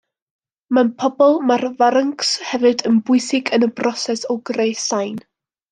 Mewn pobol, mae'r ffaryncs hefyd yn bwysig yn y broses o greu sain.